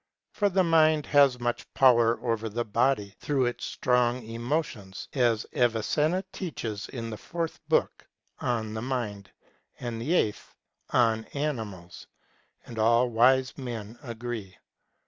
For the mind has much power over the body, through its strong emotions, as Avicenna teaches in the fourth book On the Mind and the eighth On Animals ; and all wise men agree.